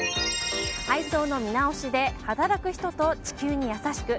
配送の見直しで、働く人と地球に優しく。